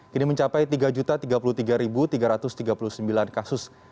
kini mencapai tiga tiga puluh tiga tiga ratus tiga puluh sembilan kasus